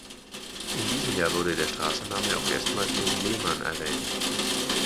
In diesem Jahr wurde der Straßenname auch erstmals in Lehmann erwähnt.